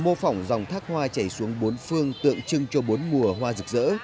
mô phỏng dòng thác hoa chảy xuống bốn phương tượng trưng cho bốn mùa hoa rực rỡ